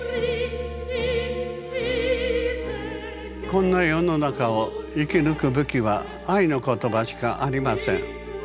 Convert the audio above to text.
「こんな世の中を生き抜く武器は愛の言葉しかありません。